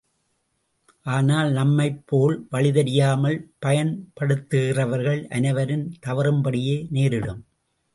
ஆனால், நம்மைப் போல் வழி தெரியாமல் பயன்படுத்துகிறவர்கள் அனைவரும் தவறும்படியே நேரிடும்.